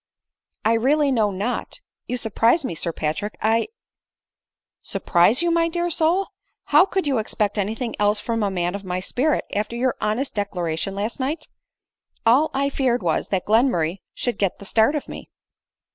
" I really know not — you sur prise me, Sir Patrick — I "" Surprise you, my dear soul ! how could you expect any thing else from a man of my spirit, after your honest declaration last night ? All I feared was, that Glenmurray should get the start of me."